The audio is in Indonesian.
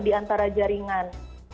di antara jaringan